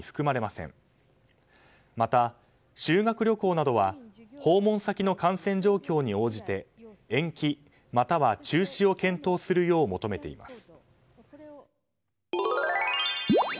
また修学旅行などは訪問先の感染状況に応じて延期または中止を検討するよう求めています。